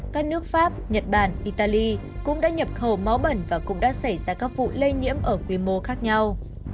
các nước pháp nhật bản italy cũng đã nhập khẩu máu bẩn và cũng đã xảy ra các vụ lây nhiễm ở quy mô khác nhau